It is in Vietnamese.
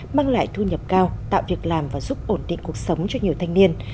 mang lại thu nhập cao tạo việc làm và giúp ổn định cuộc sống cho nhiều thanh niên